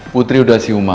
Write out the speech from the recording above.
putri udah siuman